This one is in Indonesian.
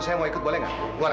saya mau ikut boleh nggak